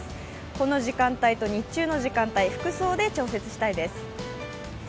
この時間帯と日中の時間帯、服装で調節したいです。